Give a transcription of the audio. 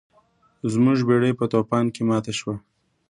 زموږ بیړۍ په طوفان کې ماته شوه.